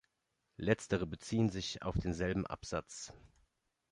Letztere beziehen sich auf denselben Absatz.